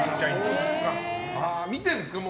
見てるんですか？